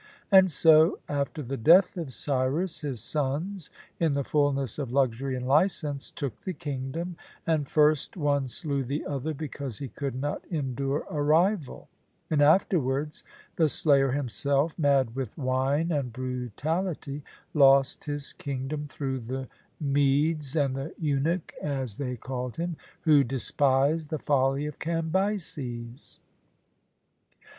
And so, after the death of Cyrus, his sons, in the fulness of luxury and licence, took the kingdom, and first one slew the other because he could not endure a rival; and, afterwards, the slayer himself, mad with wine and brutality, lost his kingdom through the Medes and the Eunuch, as they called him, who despised the folly of Cambyses.